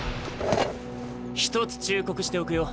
一つ忠告しておくよ